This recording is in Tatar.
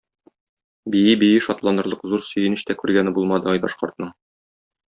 Бии-бии шатланырлык зур сөенеч тә күргәне булмады Айдаш картның.